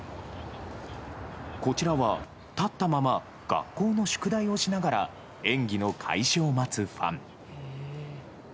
こちらは、立ったまま学校の宿題をしながら、演技の開始を待つファン。